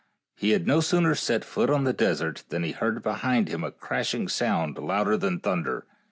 He had no sooner set foot upon the desert than he heard behind him a crashing sound louder than thunder.